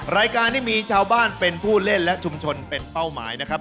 รายการนี้มีชาวบ้านเป็นผู้เล่นและชุมชนเป็นเป้าหมายนะครับ